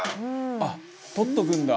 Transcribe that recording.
「あっ取っておくんだ」